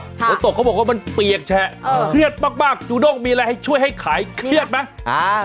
ฝนตกเขาบอกว่ามันเปียกแฉะเครียดมากจูด้งมีอะไรให้ช่วยให้ขายเครียดไหม